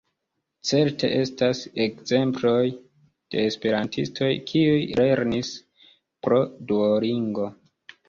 Certe estas ekzemploj de esperantistoj kiuj lernis pro Duolingo.